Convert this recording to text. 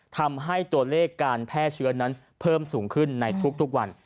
ทำให้ตัวเลขการแพร่เชื้อนั้นเพิ่มสูงขึ้นในทุกวัน